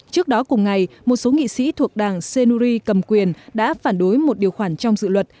trước đó cùng ngày một số nghị sĩ thuộc đảng senuri cầm quyền đã phản đối một điều khoản trong dự luật